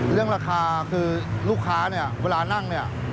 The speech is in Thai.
เรื่องราคาคือลูกค้าเวลานั่ง